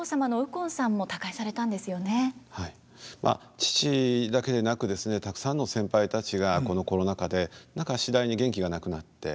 まあ父だけでなくですねたくさんの先輩たちがこのコロナ禍で何か次第に元気がなくなって。